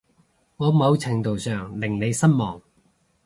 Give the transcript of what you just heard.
我某程度上令你失望